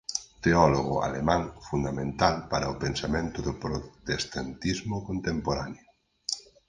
Teólogo alemán fundamental para o pensamento do protestantismo contemporáneo.